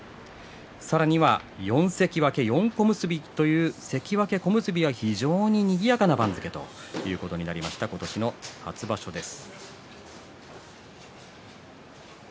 さらには４関脇４小結という関脇、小結が非常ににぎやかな番付ということになりました今年の初場所です。